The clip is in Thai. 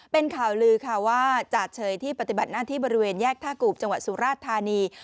เป็นข่าวลือค่ะว่าจ่าเฉยที่ปฏิบัติหน้าที่บริเวณแยกท่ากูบจังหวัดสุราชธานี